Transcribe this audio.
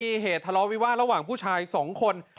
มีเหตุทะเลาะวิวาสระหว่างผู้ชาย๒คน